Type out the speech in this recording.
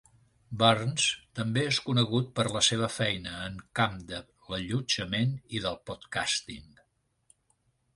Burns també és conegut per la seva feina en camp de l'allotjament i del podcasting.